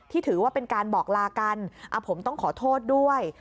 ถือว่าเป็นการบอกลากันผมต้องขอโทษด้วย